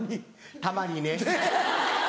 たまにね。